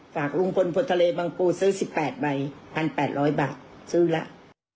ลุงพลพลทะเลบังปูซื้อ๑๘ใบ๑๘๐๐บาทซื้อแล้ว